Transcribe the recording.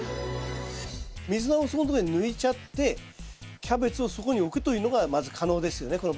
ミズナをそこんところで抜いちゃってキャベツをそこに置くというのがまず可能ですよね